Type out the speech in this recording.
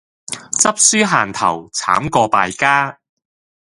執輸行頭,慘過敗家